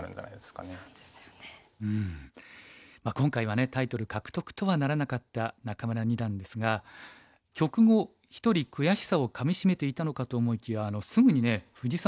今回はねタイトル獲得とはならなかった仲邑二段ですが局後一人悔しさをかみしめていたのかと思いきやすぐにね藤沢